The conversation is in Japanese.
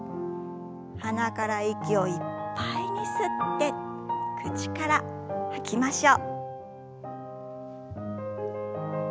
鼻から息をいっぱいに吸って口から吐きましょう。